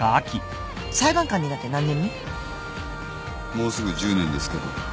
もうすぐ１０年ですけど。